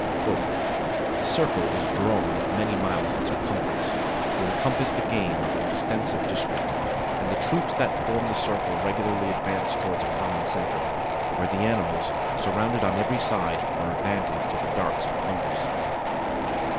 "A circle is drawn of many miles in circumference, to encompass the game of an extensive district; and the troops that form the circle regularly advance towards a common centre, where the animals, surrounded on every side, are abandoned to the darts of the hunters."